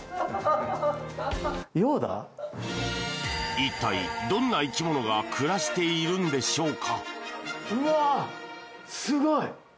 一体、どんな生き物が暮らしているのでしょうか？